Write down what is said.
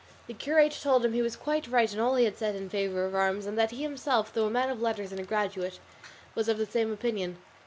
The curate told him he was quite right in all he had said in favour of arms, and that he himself, though a man of letters and a graduate, was of the same opinion.